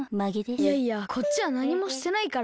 いやいやこっちはなにもしてないから。